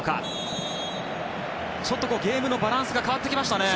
ゲームのバランスが変わってきましたね。